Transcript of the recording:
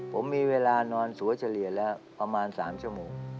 ผมมีเวลานอนสวยเฉลี่ยแล้วประมาณ๓ชั่วโมง